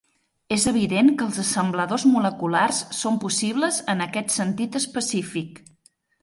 És evident que els assembladors moleculars són possibles en aquest sentit específic.